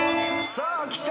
さあきた。